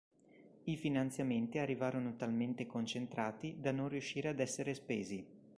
I finanziamenti arrivarono talmente concentrati da non riuscire ad essere spesi.